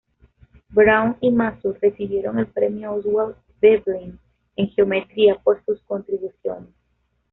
Brown y Mazur recibieron el Premio Oswald Veblen en Geometría por sus contribuciones.